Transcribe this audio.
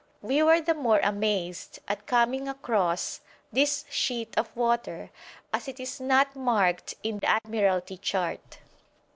We were the more amazed at coming across this sheet of water, as it is not marked in the Admiralty chart.